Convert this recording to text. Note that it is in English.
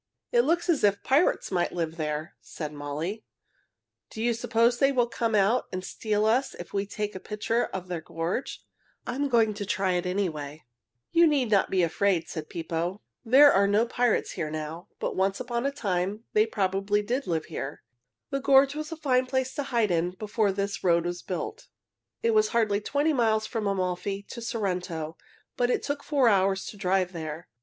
"It looks as if pirates might live there," said Molly. "Do you suppose they will come out and steal us if we take a picture of their gorge? I am going to try it anyway." [Illustration: "It looks as if pirates might live there," said Molly] "You need not be afraid," said Pippo. "There are no pirates here now; but once upon a time they probably did live here. The gorge was a fine place to hide in before this road was built." It was hardly twenty miles from Amalfi to Sorrento, but it took four hours to drive there.